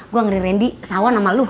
gue ngeri rendi sawan sama lu